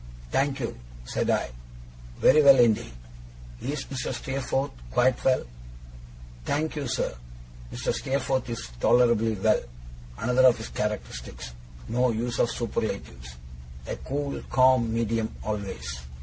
'Thank you,' said I, 'very well indeed. Is Mr. Steerforth quite well?' 'Thank you, sir, Mr. Steerforth is tolerably well.' Another of his characteristics no use of superlatives. A cool calm medium always.